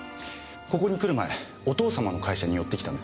ここに来る前お父様の会社に寄ってきたんです。